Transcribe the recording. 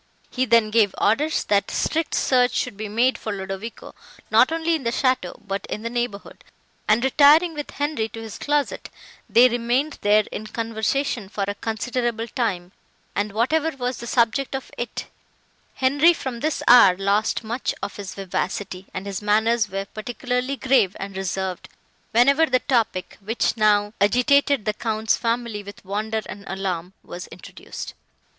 He then gave orders, that strict search should be made for Ludovico not only in the château, but in the neighbourhood, and, retiring with Henri to his closet, they remained there in conversation for a considerable time, and whatever was the subject of it, Henri from this hour lost much of his vivacity, and his manners were particularly grave and reserved, whenever the topic, which now agitated the Count's family with wonder and alarm, was introduced.